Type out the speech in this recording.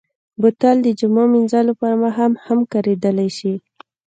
بوتل د جامو مینځلو پر مهال هم کارېدلی شي.